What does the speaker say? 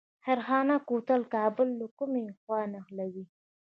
خیرخانه کوتل کابل له کومې خوا نښلوي؟